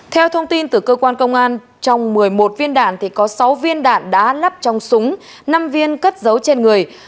theo thông tin từ cơ quan công an trong một mươi một viên đạn có sáu viên đạn đã lắp trong súng năm viên cất dấu trên người